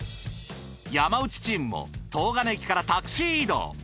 山内チームも東金駅からタクシー移動。